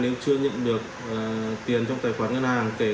nếu chưa nhận được tiền trong tài khoản ngân hàng